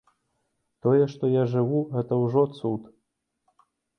Тое, што я жыву, гэта ўжо цуд.